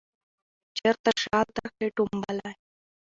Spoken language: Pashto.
چیرته شل درکښې ټومبلی